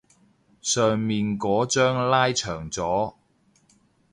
上面嗰張拉長咗